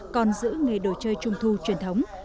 còn giữ nghệ đồ chơi trung thu truyền thống